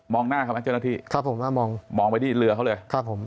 หน้าเขาไหมเจ้าหน้าที่ครับผมถ้ามองมองไปที่เรือเขาเลยครับผม